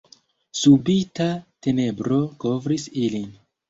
Subita tenebro kovris ilin.